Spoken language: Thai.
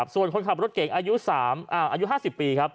ส่วนคนขับรถเก่งอายุ๕๐ปีครับ